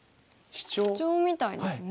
シチョウみたいですね。